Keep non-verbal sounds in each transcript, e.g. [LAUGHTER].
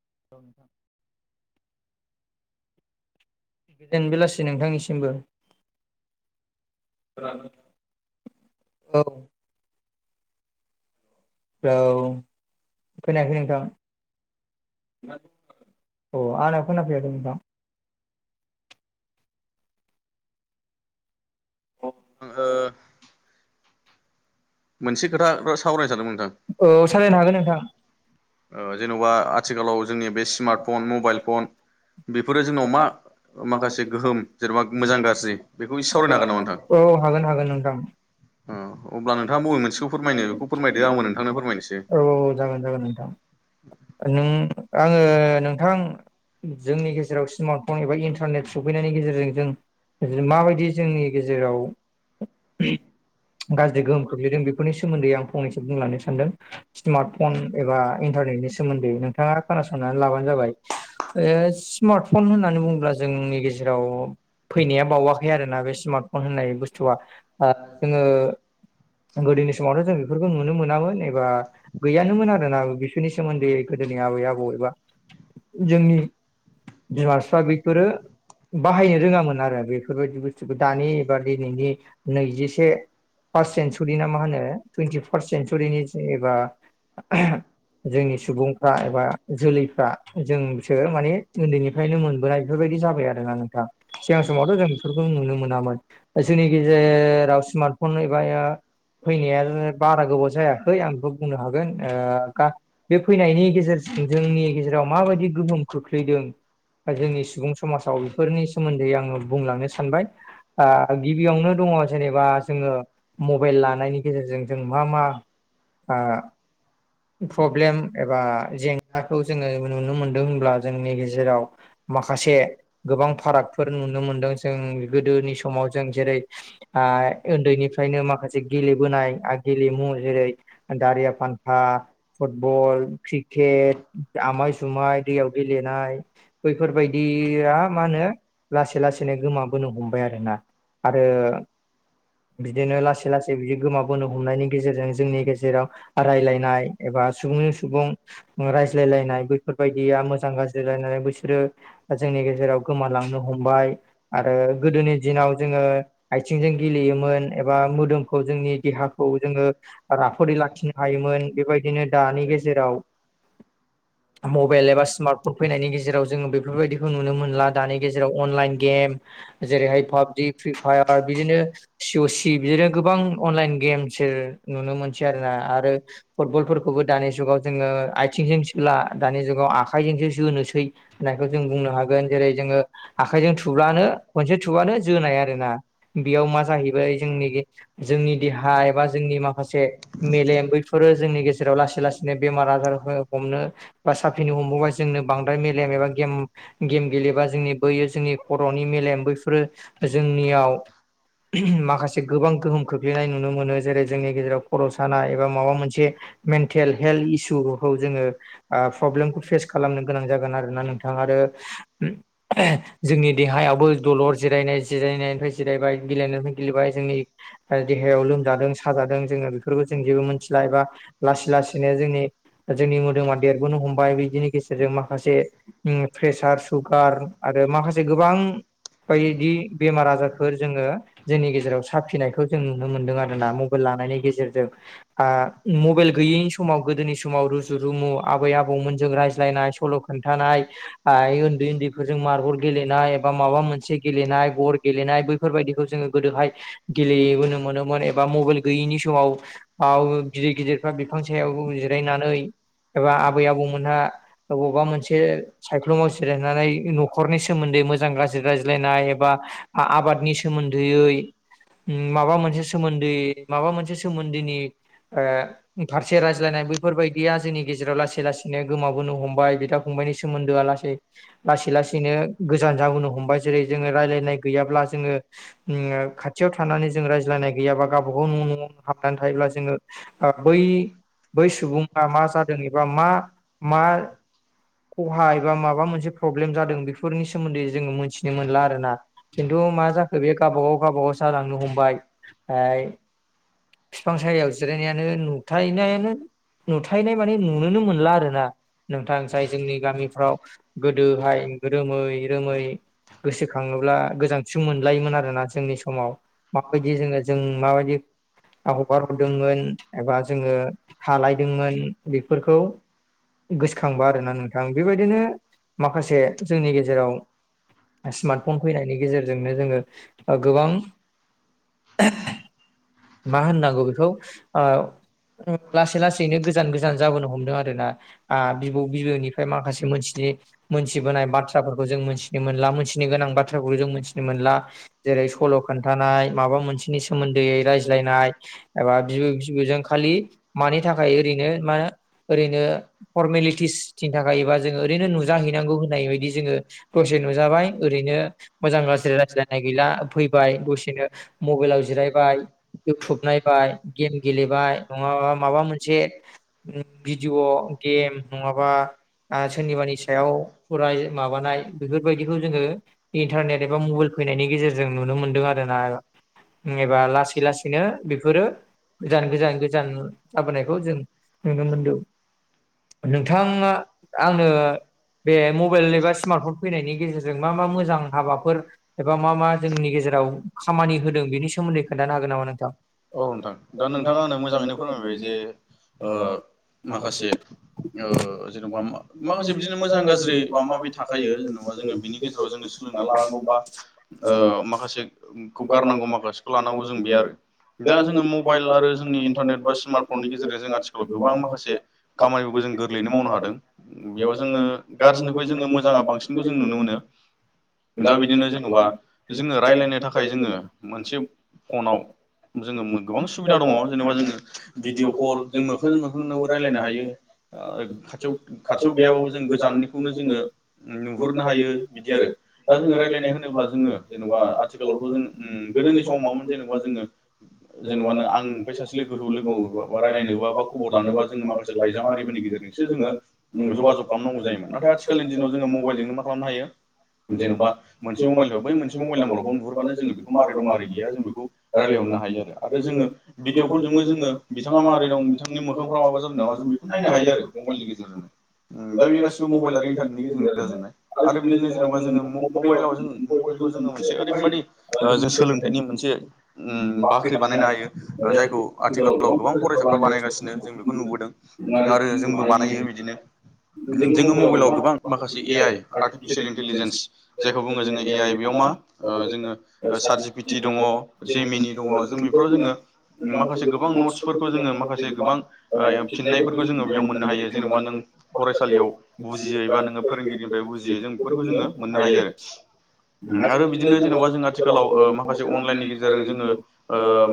[INAUDIBLE] बेलासि नोंथांनिसिमबो औ औ खोनायाखै नोंथां। अ आंना खोना फैयाखै नोंथां। ओ मोनसे खोथा सावरायनो सानदोंमोन। नोंथां औ सावरायनो हागोन नोंथां। जेन'बा आथिखालाव जोंनि बे स्मार्ट फन मबाइल फन बेफोरो जोंनाव मा माखासे गोहोम जेनेबा मोजां गाज्रि बेखौ इसे सावरायनो हागोन नामा नोंथां? औ हागोन हागोन नोंथां अ अब्ला नोंथांङा बबे मोनसेखौ फोरमायनो बेखौ फोरमायदो आंबो नोंथां। औ औ जागोन जागोन नोंथां। नों आङो नोंथां जोंनि गेजेराव सिमार्टफन एबा इन्टारनेट सफैनायनि गेजेरजों जों माबायदि जोंनि गेजेराव गाज्रि गोहोम खोख्लैदों बेनि सोमोन्दैं फंनैसो बुंलांनोसै। सिमारर्ट फन एबा इन्टारनेटनि सोमोन्दै नोंथांङा खोनासंनानै लाबानो जाबाय। सिमारट फन होननानै बुंङोब्ला जोंनि गेजेराव फैनाया बावाखै आरोोना बे सिमारट फन होननाय बुस्थुआ जोंङो गोदोनि समावथ' जों बेफोरखौ नुनो मोनामोन एबा एबा गैयानोमोन आरोना बिसोरनि सोमोन्दै गोदोनि आबै आबौ एबा जोंनि बिमा बिफा बेफोरो बाहायनो रोङामोन आरो बेफोरबायदि बुस्थुखौ दानि एबा दिनैनि नैजिसे फार्स्ट सन्सुरिनाा मा होनो टुइन्टि फार्स्ट सेनसुरिनि जेनबा जोंनि सुबुंफ्रा एबा जोलैफ्रा जोंसो माने उन्दैनिफ्रायनो मोनबोनाय। बेफोरबायदि जाबाय आरोना नोंथांङा सिगां समावथ' जों नुनो मोन जोंनि गेजेराव सिमारट फन एबा फैनाया बारा गोबाव जाया। आं बेखौ बुंनो हागोन बे फैनायनि गेजेर जोंनि गेजेराव माबायदि गोहोम खोख्लैदों दा जोंनि सुबुं समाजाव बेफोरनि सोमोन्दै आंङो बुंलांनो सानबाय गिबियावनो दंङो जेनेबा जोङो मबाइल लानायनि गेजेरजों जों मा मा ओ प्रब्लेम एबा जेंनाखौ जोंङो नुनो मोनदों होनब्ला जोंनि गेजेराव माखासे माखासे गोबां फारागफोर नुनो मोनदों जों गोदोनि समाव जों जेरै उन्दैनिफ्रायनो माखासे गेलेबोनाय गेलेमु जेरै दारिया फान फुटबल क्रिकेट आमाय सुमाय दैयाव गेलेनाय बैफोरबायदिया मा होनो लासै लासैनो गोमाबोनो हमबाय आरोना आरो बिदिनो लासै लासै बिदि गोमाबोनो हमनायनि गेजेरजों जों जेराव रायनाय बा सुबुंनि सुबुं रायज्लायलायनाय बेैफोरबायायदिया मोजां गाज्लायलायनानै बेसोरो जोंनि गेजेराव गोमालांनो हमबाय आरो गोदोनि दिनाव जोंङो जों गेलेयोमोन एबा मोदोमखौ जोंनि देहाखौ जोंङो राफोदै लाखिनो हायोमोन बेबायदिनो दानि गेजेराव [INAUDIBLE] मबाइल एबा सिमारट फन फैनायनि गेजेराव जोंङो बेफोरबायदिखौ नुनो मोनला दानि गेजेराव अनलाइन गेम जेरैहाय पाबजि फ्रि फायार बिदिनो सिअसि बिदिनो गोबां अनलाइन गेम नुनो मोनसै आरोना आरो फुटबलफोरखौबो दानि जुगाव जोंङो आथिंजों सोला दानि जुगाव आखाइजोंसो जोनोसै होन जों बुंनो होन जेरै जोङो आखजों थुब्लानो खसे थानो जोनाय आरोना बेयाव मा जैबाय ज जोंनि देहा एबा जोंनि माखासे मेलेम बैफोरो जोंनि गेजेराव लासै लासैनो बेमार आजार हमनो बा साफिनो हमबावा जोंनो बांद्राय मेलेम गेम गेलेबा जोंनि बैयो जोंनि ख'नि मेलेम बैफोरो जोंनियाव माखासे गोबां गोहोम खोख्लैनाय नुनो मोनो जेरै जोंनि खर सानाया एबा माबा मोनसे से मेनथेल हेल्थ इसु जोङो प्रब्लेमखौ फेस खालामनो गोनां जागोन आरोोना आरो जोंनि देहायावबो दलर जिरायनाय जिरायनायनिफ्राय जिरायबाय गेलेनाय गेलेबाय जोंनि देहायाव लोमजादों साजादों जो बे जबो मिथिला एबा लासै लासैनो जोंनि जोंनि मोदोमा देरबोनो हमबाय बिदिनि गेजेरजों माखासे प्रेसार सुगार आरो माखासे गोबां बायदि बेमार आजारफोर जोङो जोंनि गेजेराव साफिनायखौ जों नुनो मोनदों आरोना मबाइल लानानै नि गेजेरजों मबाइल गैयैनि समाव गोदोनि समाव रुजु रुमु आबै आबौमोनजों रायज्लायनाय सल' खोनथानाय थन्दै उन्दैफोरजों मारबल गेलेनाय एबा माबा मोनसे गेलेनाय बर गेलेनाय बैफोरबायदिखौ जो गोदोहाय गेलेबोनो मोनोमोन एबा मबाइल गैयैनि समाव ओ गिदिर गिदिरफ्रा बिफां सायाव जिरायनानै एबा आबै आबौमोनहा बबावबा मोनसे सायख्लुमाव जिरायनानै न'खरनि सोमोन्दै मोजां गाज्रि रायज्लायनाय एबा आबादनि सोमोन्दैयै माबा मोनसे सोमोन्दै माबा मोनसे सोमोन्दोनि फारसे रायज्लायनाय बैफोरबायदिया जोंनि गेजेराव लासै लासैनो गोमाबोनो हमबाय बिदा फंबायनि सोमोन्दो लाै लाै लासैनो गोजान जाबोनो हमबाय जेरै जोङ रायलायनाय गैयाब्ला जों खाथियाव थानानै जों रायज्लाय गैयाबा जोंगावब गाव न' न'आवनो हनानै थायोब्ला जोङो बै बै सुबुङा मा जादों एबा मा मा खहा एबा माबा मोनसे प्रब्लेम जादों बेफोरनि सोमोन्दै जोङो मोनथिनो मोनला आरो ना खिन्थु मा जाखो बे गावबागाव गावबागाव जालांनो हमबाय [INAUDIBLE] बिफां सायाव जिरायनायानो नुथायनायानो नुथायनाय माने नुनोनो मोनला आरो ना नोंथां जाय जोंनि गामिफ्राव गोदोहाय रोमै रोमै गोसोखाङोब्ला गोजानथ मोनलायोमोन आरोना जोंनि समाव माबायदि जोङो जों माबायदि हगार हरदोंमोन एबा जोङो खालायदोंमोन बेफोरखौ गोसोखांब आरोना नोंथां बेबायदिनो माखासे जोंनि गेजेराव स्मार्ट फन फैनायनि गेजेरजोंनो जोङो गोबां मा होननांगौ बेखौ लासै लासैनो गोजान गोजान जाबोनो हमदों आरो ना बिबौ बिबौनिफ्राय माखासे मोनथिनि मोनथिबोनाय बाथ्राफोरखौ जों मोनथिनो मोनला मोनथिनो गोनां बाथ्राफोरखौ जों मोनथिनो मोनला जेरै सल' खोन्थानाय माबा मोनसेनि सोमोन्दै रायजो बुजायलायनाय एबा बिबौ बिबौजों खालि मानि थाखाय ओरैनो मा ओरैनो फरमेलिटिसनि थाखायबा जोङो ओरैनो नुजाहैनांगौ होननाय बायदि जोङो दसे नुजाबाय ओरैनो मोजां रज्लाय रायज्लायनाय गैला फैबाय दसेनो मबाइलाव जिरायबाय इउटुब नायबाय गेम गेलेबाय नङाबा माबा मोनसे भिडिअ गेम नङाबा सोरनिबानि सायाव फराय माबानाय बेफोरबायदिखौ जोङो इन्टारनेट एबा मबाइल फैनाय जों नुनो मोनदों आरो एबा लासै लासै बेफोरो गोजान गोजान गोजान जाबोनायखौ जों नुनो मोनदों नोंथाङा आंनो बे मबाइल एबा स्मार्टफन फैनायनि गेजेरजों मा मा मोजां हाबाफोर एबा मा मा जोंनि गेजेराव जेराव खामानि होदों बिनि सोमोन्दै खोन्थानो हागोन नामा नोंथां औ नोंथां दा नोंथाङा आंनो मोजाङैनो फोरमायबाय जे ओ माखासे जेन'बा माखासे बिदिनो मोजां गाज्रि माबा जेनेबा माबि थाखायो जेनेबा जोङो बिनि गेजेराव जो सोलोंना लानांगौ बा माखासेखौ गारनांगौ माखासेखौ लानांगौ जों बे आरो दा जोङो मबाइल आरो जोंनि इन्टारनेट बा स्मार्ट फननि गेजेरजों जों आथिखालाव गोबां माखासे खामानि जों गोरलैनो मावनो हादों बेयाव जोङो गाज्रिनिफ्राय जोङो मोजाङा बांसिनखौ जों नुनो मोनो दा बिदिनो जेन'बा जोङो रायलायनो थाखाय जोङो मोनसे फनाव जोङो गोबां सुबिदा दङ जेनेबा जोङो भिडिअ कल जों मोखांजों मोखांनोबो रायलायनो हायो खाथियाव खाथियाव गैयाबाबो जों गोजाननिखौनो जोङो नुहरनो हायो बिदि आरो दा जोङो रायलायनाय होनोब्ला जोङो जेनेबा आथिखालावथ' जों गोदोनि समाव माबामोन जेनेबा जोङो जेनेबा नों आं ओमफ्राय सासे लोगोखौ लोगो रायलायनोबा बा खबर लोनोबा जों माखासे लाइजाम आरिफोरनि गेजेरजोंसो जों जगा जग खालामनांगौ जायोमोन नाथाय आथिखालनि दिनाव जोङो मबाइलजोंनो मा खालामनो हायो जेन'बा मोनसे मबाइल बै मोनसे मबाइल नाम्बावनो नुहरबानो जो बे मारै दं मारै गया जों बे रायलाय हरनो मोननो हायो आरो जोङो भिदिअ कल जोंबो जोङो बिथाङा मारै दं बिथांनि मोखांफोरा माबा जादों नामा जों बेखौ नायनो हायो आरो मबाइलनि गेजेरजोंनो दा बे गासिबो मबाइल आरो इन्टारनेटनि गेजेरजों जाजोबनाय आरो बिदिनो जेनेबा जोङो मबाइलाव जों म खौ मोनसे ओरैबायादि सोंलोंथाइनि मोनसे बाख्रि बानायनो हायो जायखौ आथिखालाव गोबां फरायसाफ्रा बानायगासिनो जों बेखौ नुबोदों आरो [INAUDIBLE] जोंबो बानायो बिदिनो जोङो मबाइलाव गोबां माखासे ए आइ आर्टिफिसियेल इन्टिलिजेन्स जायखौ बुङो ए आइ बेयाव मा जोङो सार्टजिफिटि दङ जेमिनि दङ जों बेफोराव जोङो माखासे गोबां नट्सफोरखौ जोङो माखासे गोबां फिननायफोरखौ जोङो बेयाव मोननो हायो जेनेबा नों फरायसालियाव बुजियै बा नोङो फोरोंगिरिनिफ्राय बुजियो जों बेफोरखौ जोङो मोननो हायो आरो बिदिनो जेनेबा जों आथिखालाव माखासे अनलाइननि गेजेर जोङो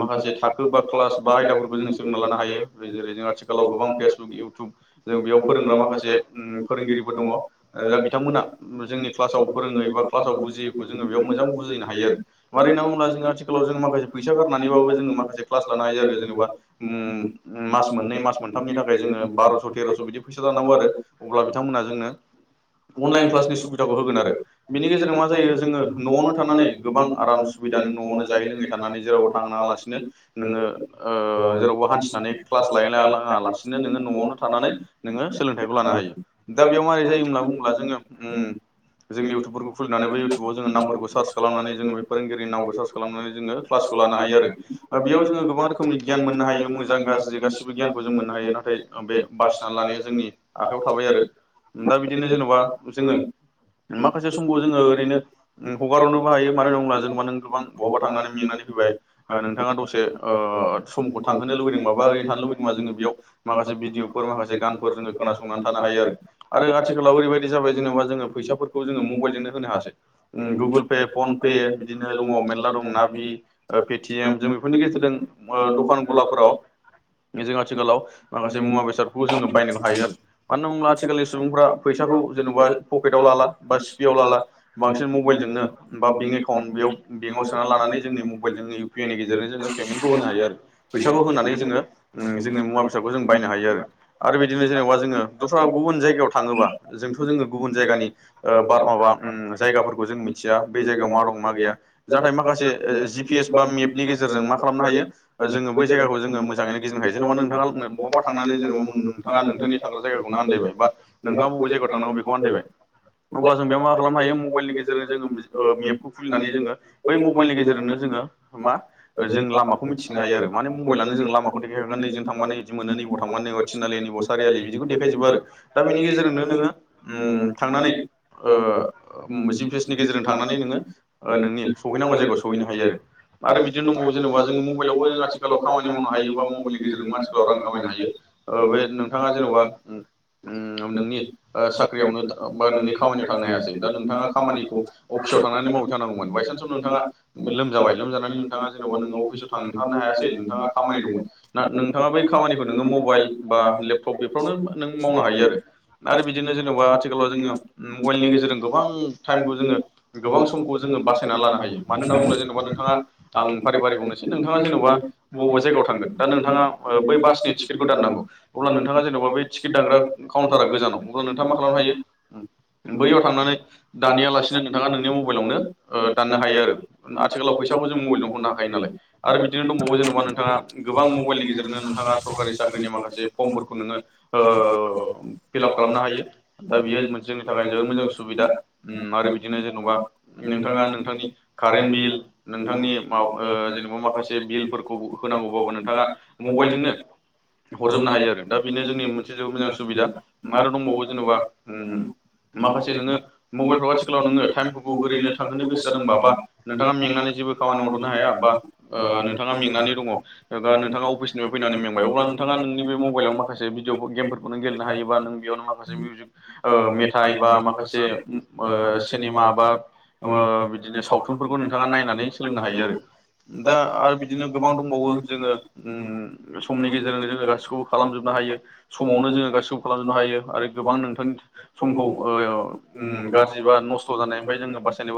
माखासे थाखो बा क्लास बा आयदाफोरखौ जों सोलोंना लानो हायो जेरै जों आथिखालाव गोबां फेसबुक इउटुब जों बेयाव फोरोंग्रा माखासे फोरोंगिरिफोर दङ दा बिथांमोना जोंनि क्लासाव फोरों एबा क्लासाव बुजियैखौ जोङो बेयाव मोजां बुजिनो हायो आरो मानो होनना बुङोब्ला फैसा गारनानैबो जोङो माखासे क्लास लानो हायो आरो जेनेबा ओम मास मोननै मास मो मोनथामनि थाखाय जोङो बार'स' तेर'स' बिदि फैसा जानांगौ आरो अब्ला बिथांमोना जोंनो अनलाइन क्लासनि सुबिदाखौ होगोन आरो बेनि गेजेरजों मा जायो जोङो न'आवनो थानानै गोबां हायो आराम सुबिदानो न' न'आवनो जयै लोङै थानानै जेरावबो थांनांआलासिनो नोङो ओ जेरावबो हान्थिनानै क्लास [UNINTELLIGIBLE] सिनो नोङो न'आव थानानै नोङो सोलोंथाइखौ लानो हायो दा बेयाव माबारै जायो होनना बुङोब्ला जोङो जों इउटुबफोरखौ खुलिनानै बे इउटुबाव जो नामफोरखौ सार्च खालामनानै जो बे फोरोंगिरिनि नामखौ सार्स खालाम नानै जोङो क्लासखौ लानो हायो आरो बेयाव जोङो गोबां रोखोमनि गियान मोननो हायो मोजां गाज्रि गासिबो गियान खौ जों मोननो हायो नाथाय बे बासिना लानाया जोंनि आखायाव थाबाय आरो दा बिदिनो जेन'बा जोङो माखासे समखौ जोङो ओरैनो हगार हरनोबो हायो मानो होनोब्ला जों जेनबा नों गोबां बहाबा थांनानै मेंनानै फैबाय नोंथाङा दसे समखौ थांहोनो लुबैदोंबा बा ओरैनो थांहोनो लुबैदोंबा जोङो बेयाव माखासे भिदअफोर माखासे गानफोर जोङो खोनासंनानै थानो हायो आरो आथिखालाव ओरैबायदि जाबाय जेनेबा जोङो फैसा फोरखौ जोङो मबाइजोंनो होनो हासै ओम आरो गुगुल पे फन पे बिदिनो दङ मा बि पे टि एम जों बेफोरनि गेजेरजों दखान गलाफोराव जों आथिखालाव माखासे मुवा बेसादफोरखौ जोङो बायनो हायो आरो मानो होनना बुङोब्ला आथिखालनि सुबुंफ्रा फैसाखौ जेन'बा पकेटआव ला ला बा सिफियाव लाला बांसिन मबाइलजोंनो बें एकाउन्ट बेयाव बेंकआव सोना लानानै जोंनि मबाइलजों इउ पि आइ नि गेजेरजों जोेङो‌ पेमेन्टखौ होनो हायो आरो फैसाखौ होनानै जोङो ओ जोङो मुवा बेसाद खौ जों बायनो हायो आरो बिदिनो जेनेबा जोङो दस्रा गुबुन जायगायाव थाङोबा जोंथ' जोङो गुबुन जायगानि ओ बार माबा उम जायगाफोरखौ जों मिथिया बे जायगायाव मा दं मा गैया जाथाय माखासे जि पि एस बा मेपनि गेजेरजों मा खालामनो हायो जोङो बै जायगाखौ जोङो मोजाङैनो गिदिंनो हायो जेन'बा नोंथाङा हम बहाबा थांनानै जेन'बा नोंथाङा नोंथांनि थाग्रा जायगाखौनो आन्दबाय बा नोंथाङा बबे जायगायाव थांनांगौ बेखौ आनदायबाय अब्ला जों बेयाव मा खालामनो हायो मबाइलनि गेजेरजों जोङो ओ मेपखौ खुलिनानै जोङो बै मबाइलनि गेजेरजोंनो जोङो मा जों लामाखौ मिनथिनो हायो आरो माने मबाइलानो जों लामाखौ देखाय यखागोन नैजों थांबानो नै मोनो नैबाव थांबा थिनालि नैबाव सारिआलि बिदिखौ देखायजोबो आरो दा बेनि गेजेरजोंनो नोङो थां थांनानै ओ जि पि एस नि गेजेरजों थांनानै नोङो नोंनि सैहैनांगौ जायगायाव सहैनो हायो आरो बिदिनो दंबो जेनेब जों मबाइलावबो खामानि आथिखालाव खामानि मावनो हायोबा मबाइलनि गेजेरजों आथिखालाव रां खामायनो हायो ओ बे नोंथाङा जेन'बा ओ नोंनि साख्रियावनो बा नोंनि बाहेरानि खामानि खामानियाव थांनो थांनाया हायासै दा नोंथाङा खामानिखौ अपि आव थांनानै मावहैथारनांगौ बायसान्साव नोंथाङा लोमजाबाय लोजानानै नोंथाङा जेन'बा न'आव अफिसाव फैसा थांथारनो ओंखारनो हायासै नोंथाङा मा खामानि दङ खामायदों ना नाथाय नोंथां नोंथाङा बै खामानिखौ नोङो मबाइल बा जोङो लेपटप बेफोरावनो नों मावनो हायो आरो आरो बिदिनो जेनेबा आथि खालाव जोङो मबाइलनि गेजेरजों गोबां टाइमखौ जोङो गोबां समखौ जोङो बासायना लानो हायो मानो सम होनना बुङोब्ला जेन'बा नोंथाङा आं फारि फारि बुंनोसै नोंथाङा जेबा बबे जाय गायाव लायो थांगोन दा मानोना नोंथाङा बबेबा जायगायाव थांगोन दा बै बासनि टिकेखौ दाननांगौ अब्ला बाथ'फ्रा नोंथाङा नोंथां जेन'बा बे टिकेट दानग्रा काउनटारा गोजानाव अब्ला नोंथाङा मा खालामनो हायो बैयाव थांनानै दानैयालासिनो नोंथाङा नोंनि मबाइलावनो ओ दाननो हायो आरो आथिखालाव फैसाखौ जों मबाइलजों हरनो हाखायो नालाय आरो बिदिनो दंबावो जेन'बा नोंथाङा गोबां मबाइलनि [UNINTELLIGIBLE] गेजेरजोंनो नोंथाङा सरकारि साख्रिनि माखासे फर्मफोरखौ नोङो ओ फिलाप खालामनो हायो। दा बियो मोनसे जोंनि थाखाय जोबोद गेजेरजों मोजां सुबिदा ओम आरो बिदिनो जेन'बा नोंथां नोंथाङा नोंथांनि कारेन्ट कारेन्टनि बिल नोंथांनि मा जेनेबा माखासे बिलफोरखौ होनां गौबाबो नोंथाङा मबाइलजोंनो हरजोबनो हायो आरो दा बेनो जोंनि मोनसे जोबोद मोजां सुबिदा आरो दंबावो जेन'बा ओम हायो माखासे नोङो मबाइलफ्राव आथिखालाव नोङो टाइमफोरखौ ओरैनो गुबैनो थांहोनो थाखो गोसो जादोंबा बा नोंथाङा मेंनानै जेबो खामानि बोसोराव मावथ'नो हाया बा नोंथाङा मेंनानै दङ दा नोंथाङा अफिस फैनानै मेंबाय अब्ला नोंथाङा नोंनि बे मबाइलाव माखासे भिडिय गेमफोरखौनो गेलेनो हायोबा नों बेयावनो माखासे मिउजिक ओ मेथाइ बा माखासे ओ सिनेमा बा ओ बिदिनो सावथुनफोरखौ नोंथाङा नायनानै सोलोंनो हायो आरो दा आरो बिदिनो गोबां दंबावो जोङो उम समनि गेजेरजोंनो जोङो गासिखौबो खालामजोबनो हायो समावनो फुङावनो जोङो गासिखौबो खालामजोबनो हायो आरो गोबां नोंथांनि समखौ फुंखौ ओ गाज्रि बा नस्थ' जानायनिफ्राय जोङो बासायनोबो